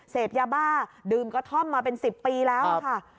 เสพยาบ้าดื่มกระท่อมมาเป็น๑๐ปีแล้วค่ะ